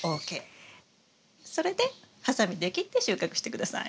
それでハサミで切って収穫して下さい。